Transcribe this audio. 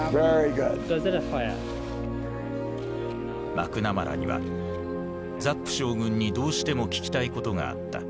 マクナマラにはザップ将軍にどうしても聞きたいことがあった。